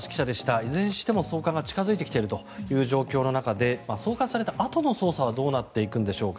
いずれにしても送還が近付いてきている状況の中で送還されたあとの捜査はどうなっていくんでしょうか。